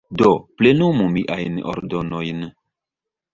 Do, plenumu miajn ordonojn.